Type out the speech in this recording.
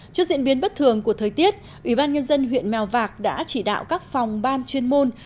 trước diễn biến bất thường của thời tiết ubnd huyện mèo vạc đã chỉ đạo các phòng ban chuyên môn